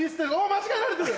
間違えられてる！